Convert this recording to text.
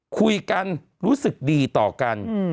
คุยกันรู้สึกดีต่อกัน